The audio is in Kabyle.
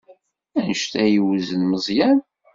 Anect ay yewzen Meẓyan?